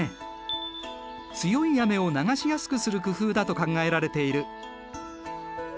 強い雨を流しやすくする工夫だと考えられている。